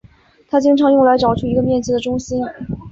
它经常用来找出一个面积的中心。